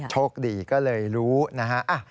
โชคดีก็เลยรู้นะฮะ